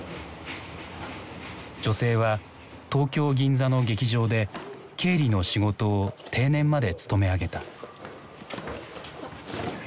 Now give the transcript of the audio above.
女性は東京・銀座の劇場で経理の仕事を定年まで勤め上げた。